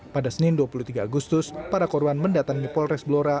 pada senin dua puluh tiga agustus para korban mendatangi polres blora